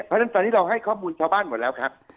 เพราะฉะนั้นตอนนี้เราให้ข้อมูลชาวบ้านหมดแล้วครับ